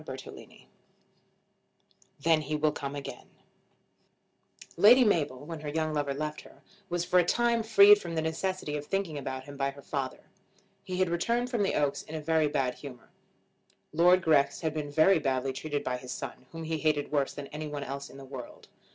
CHAPTER XX "Then He Will Come Again" Lady Mabel, when her young lover left her, was for a time freed from the necessity of thinking about him by her father. He had returned from the Oaks in a very bad humour. Lord Grex had been very badly treated by his son, whom he hated worse than any one else in the world.